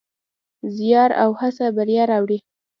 زیار او هڅه بریا راوړي.